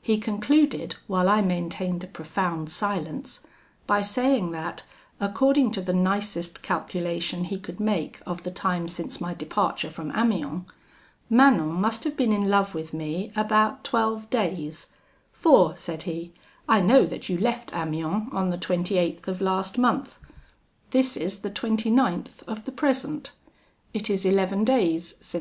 "He concluded, while I maintained a profound silence, by saying that, according to the nicest calculation he could make of the time since my departure from Amiens, Manon must have been in love with me about twelve days; 'for,' said he, 'I know that you left Amiens on the 28th of last month; this is, the 29th of the present; it is eleven days since M.